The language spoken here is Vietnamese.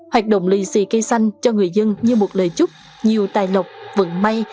hoạt động lì xì cây xanh cho người dân như một lời chúc nhiều tài lộc vận may